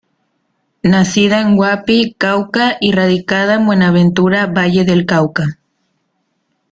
Nacida en Guapi, Cauca y radicada en Buenaventura, Valle del Cauca.